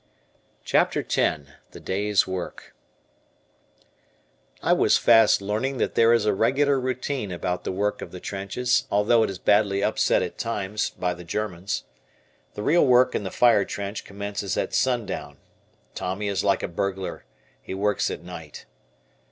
CHAPTER X "THE DAY'S WORK" I was fast learning that there is a regular routine about the work of the trenches, although it is badly upset at times by the Germans. The real work in the fire trench commences at sundown. Tommy is like a burglar, he works at night.